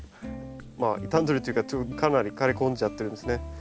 まあ傷んでるというかかなり枯れ込んじゃってるんですね。